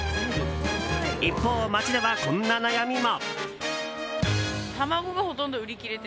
一方、街ではこんな悩みも。